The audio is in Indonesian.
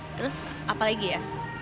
terus apa lagi ya